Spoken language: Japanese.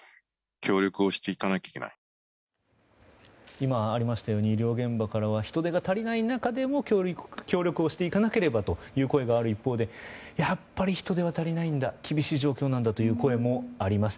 今ありましたように医療現場からは人手が足りない中でも協力をしていかなければという声がある一方でやっぱり人出は足りないんだ厳し状況なんだという声もあります。